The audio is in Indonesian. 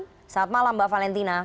selamat malam mbak valentina